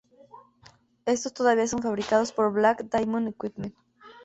Estos todavía son fabricados por Black Diamond Equipment.